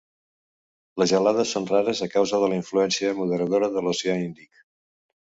Les gelades són rares a causa de la influència moderadora de l'oceà Índic.